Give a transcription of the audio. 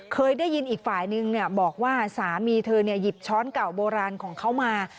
เคยได้ยินอีกฝ่ายนึงบอกว่าสามีเธอหยิบช้อนเก่าโบราณของเขามา